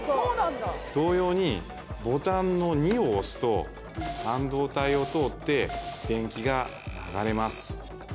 同様にボタンの２を押すと半導体を通って電気が流れます